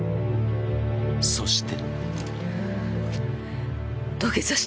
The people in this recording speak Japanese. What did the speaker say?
そして。